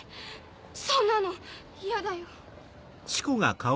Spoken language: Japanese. そんなのイヤだよ。